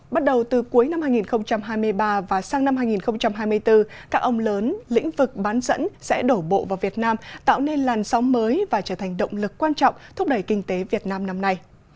bắt đầu từ cuối năm hai nghìn hai mươi ba và sang năm hai nghìn hai mươi bốn các ông lớn lĩnh vực bán dẫn sẽ đổ bộ vào việt nam tạo nên làn sóng mới và trở thành động lực quan trọng thúc đẩy kinh tế việt nam năm nay